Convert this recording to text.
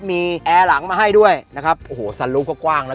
มีแอร์หลังมาให้ด้วยนะครับโอ้โหสันลุกก็กว้างแล้ว